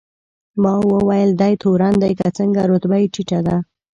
ما وویل: دی تورن دی که څنګه؟ رتبه یې ټیټه ده.